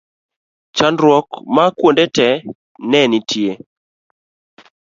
chandruok ma kuonde te ne nitie